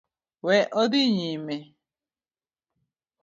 We odhi nyime